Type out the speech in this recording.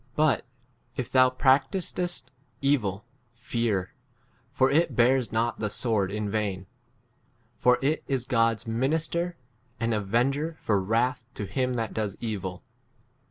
But if thou practisest evil, fear ; for it bears not the sword in vain ; for it is God's minister, an avenger for wrath to him that 5 does evil.